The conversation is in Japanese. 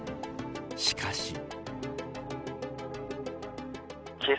しかし。